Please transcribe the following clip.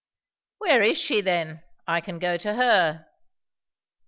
"Where is she then? I can go to her."